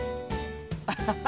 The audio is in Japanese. アハハ！